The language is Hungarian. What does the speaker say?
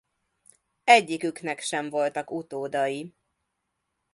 Egyiküknek sem voltak utódai.